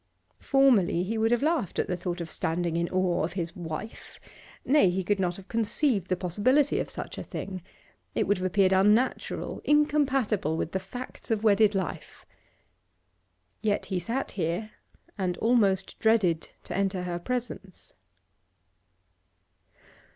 Formerly he would have laughed at the thought of standing in awe of his wife; nay, he could not have conceived the possibility of such a thing; it would have appeared unnatural, incompatible with the facts of wedded life. Yet he sat here and almost dreaded to enter her presence.